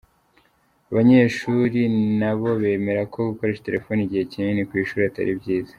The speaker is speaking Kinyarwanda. Abanyeshuri na bo bemera ko gukoresha telefone igihe kinini ku ishuri atari byiza.